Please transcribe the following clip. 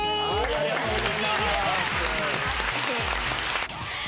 ありがとうございます。